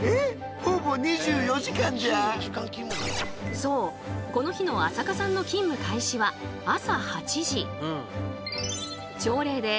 そうこの日の朝香さんの勤務開始は朝８時。